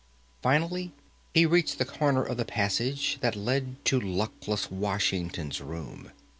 Finally he reached the corner of the passage that led to luckless Washington's room.